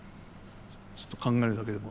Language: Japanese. ちょっと考えるだけでも。